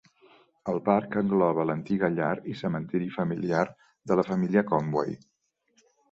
El parc engloba l'antiga llar i cementiri familiar de la família Conway.